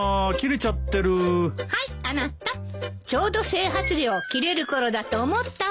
ちょうど整髪料切れるころだと思ったわ。